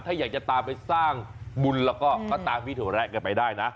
ถ้าอยากจะตามไปสร้างบุญแล้วก็ตามพี่โถแระกันไปได้นะ